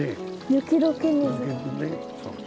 雪解け水。